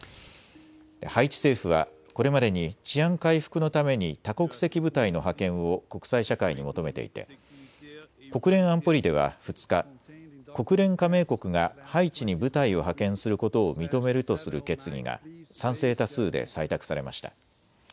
ハイチ政府はこれまでに治安回復のために多国籍部隊の派遣を国際社会に求めていて国連安保理では２日、国連加盟国がハイチに部隊を派遣することを認めるとする決議が賛成多数で採択されました。